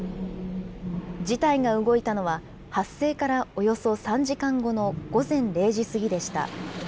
事態が動いたのは、発生からおよそ３時間後の午前０時過ぎでした。